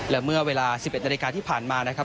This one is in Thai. และเมื่อเวลา๑๑นาฬิกาที่ผ่านมานะครับ